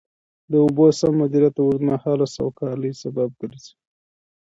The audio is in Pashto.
د اوبو سم مدیریت د اوږدمهاله سوکالۍ سبب ګرځي.